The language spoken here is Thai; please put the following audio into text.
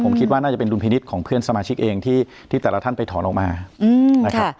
ผมคิดว่าน่าจะเป็นดุลพินิษฐ์ของเพื่อนสมาชิกเองที่แต่ละท่านไปถอนออกมานะครับ